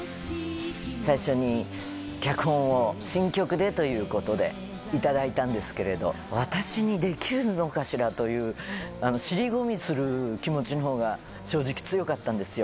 最初に、脚本を新曲でということで、頂いたんですけれど、私にできるのかしらという尻込みする気持ちのほうが、正直強かったんですよ。